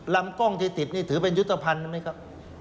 ลำกล้องที่ติดนี่ถือเป็นยุทธภัณฑ์ไหมครับ